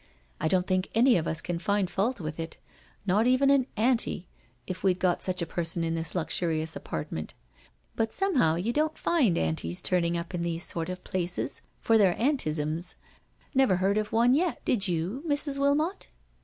" I don't think any of us can find fault with it — not even an * Anti,* if we'd got such a person in this luxurious apartment; but somehow you don't find * Anti's ' turning up in these sort of places for their ' antism '—never heard of one yet, did you, Mrs. Wilmot?